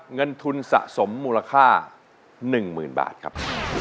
เงินทุนสะสมมูลค่าหนึ่งหมื่นบาทครับ